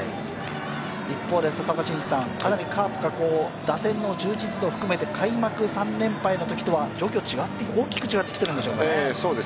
一方でかなりカープが打線の充実度含めて開幕３連敗のときとは状況が大きく違ってきているんでしょうね。